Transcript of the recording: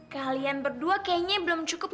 kalian berdua kayaknya belum cukup